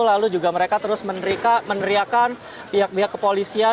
lalu juga mereka terus meneriakan pihak pihak kepolisian